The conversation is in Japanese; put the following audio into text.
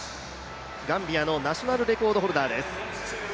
ガンビアのナショナルレコードホルダーです。